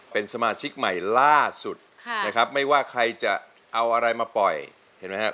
เป็นสมาชิกใหม่ล่าสุดนะครับไม่ว่าใครจะเอาอะไรมาปล่อยเห็นไหมฮะ